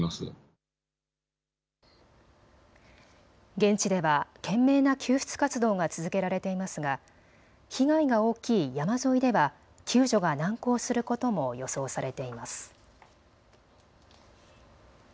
現地では懸命な救出活動が続けられていますが被害が大きい山沿いでは救助が難航することも予想されています。